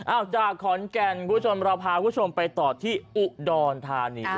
อ้าวจากขอนแก่นเราพาคุณผู้ชมไปต่อที่อุดรธานี